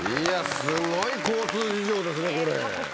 すごい交通事情ですねこれ。